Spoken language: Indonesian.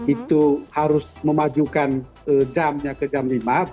itu harus memajukan jamnya ke jam lima